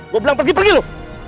gue bilang pergi pergi loh